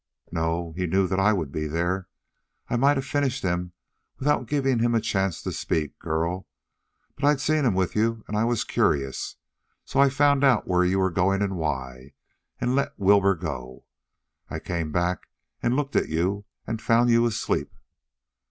"No. He knew that I would be there. I might have finished him without giving him a chance to speak, girl, but I'd seen him with you and I was curious. So I found out where you were going and why, and let Wilbur go. I came back and looked at you and found you asleep."